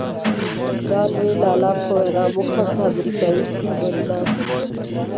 د لوی لالا په وینا موږ هم د امریکایي پیر مریدان یو.